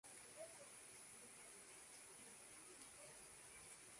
Destaca por sus ricos bancos de pesca de calamar y vieiras.